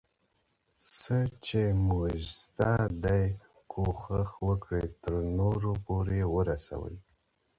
څه چي مو زده دي، کوښښ وکړه ترنور پورئې ورسوې.